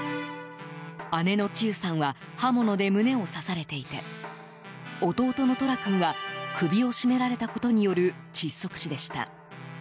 姉の千結さんは刃物で胸を刺されていて弟の十楽君は首を絞められたことによる窒息死でした。